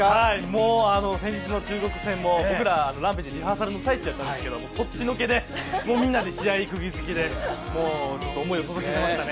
もう先日の中国戦も僕ら、ＲＡＭＰＡＧＥ、リハーサルの最中だったんですけど、そっちのけでみんなで試合にくぎづけで思いを届けに来ました。